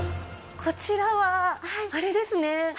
こちらはあれですね？